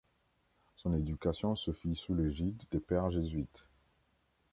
Son éducation se fit sous l'égide des pères jésuites.